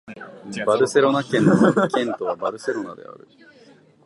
バルセロナ県の県都はバルセロナである